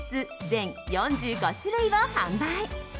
全４５種類を販売。